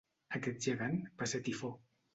Aquest gegant va ser Tifó.